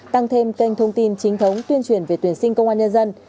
tăng thêm kênh thông tin chính thống tuyên truyền về tuyển sinh công an nhân dân